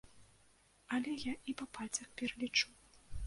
Але я і па пальцах пералічу.